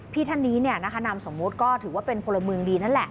พี่ท่านนี้เนี่ยนาคานามสมมติก็ถือว่าเป็นพลเมืองดีนั่นแหละ